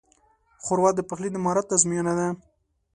ښوروا د پخلي د مهارت ازموینه ده.